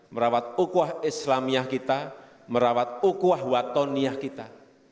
merawat ukuah islamiyah kita merawat ukuah watoniyah kita